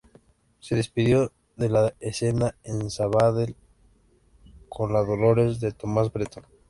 Se despidió de la escena en Sabadell con La Dolores, de Tomás Bretón.